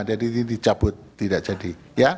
jadi ini dicabut tidak jadi